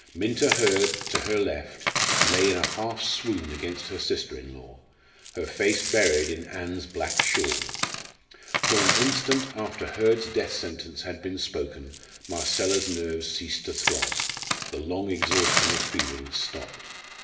Minta Hurd, to her left, lay in a half swoon against her sister in law, her face buried in Ann's black shawl. For an instant after Hurd's death sentence had been spoken Marcella's nerves ceased to throb the long exhaustion of feeling stopped.